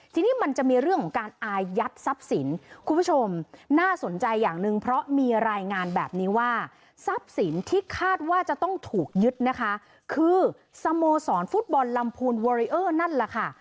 สโมสรฟุตบอลลำพูนวอเรอร์นั่นแหละค่ะ